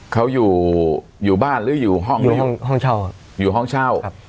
เขาอยู่อยู่บ้านหรืออยู่ห้องห้องเช่าอยู่ห้องเช่าครับ